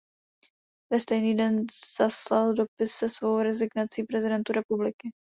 Ve stejný den zaslal dopis se svou rezignací prezidentu republiky.